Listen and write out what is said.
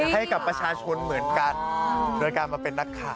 ให้กับประชาชนเหมือนกันโดยการมาเป็นนักข่าว